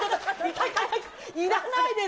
いらないです。